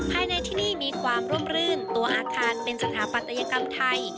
ภายในที่นี่มีความร่มรื่นตัวอาคารเป็นสถาปัตยกรรมไทย